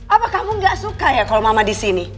apa kamu gak suka ya kalau mama disini